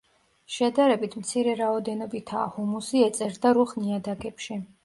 შედარებით მცირე რაოდენობითაა ჰუმუსი ეწერ და რუხ ნიადაგებში.